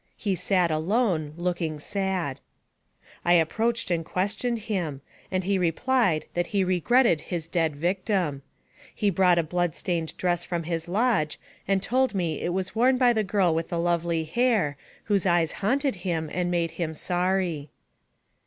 He sat alone, looking sad. I approached and questioned him, and he replied that he regretted his dead victim. He brought a blood stained dress from his lodge, and told me it was AMONG THE SIOUX INDIANS. 167 worn by the girl with the lovely hair, whose eyes haunted him and made him sorry.